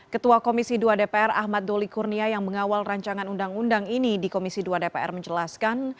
ketua komisi dua dpr ahmad doli kurnia yang mengawal rancangan undang undang ini di komisi dua dpr menjelaskan